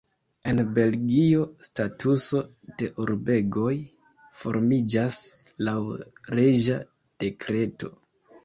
En Belgio statuso de urbegoj formiĝas laŭ reĝa dekreto.